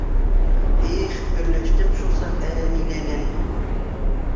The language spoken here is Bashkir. Их, көнләштем шул саҡ Әмиләнән.